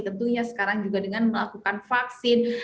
tentunya sekarang juga dengan melakukan vaksin